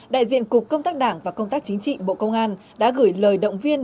đại diện cục công tác đảng và công tác chính trị bộ công an đã gửi lời động viên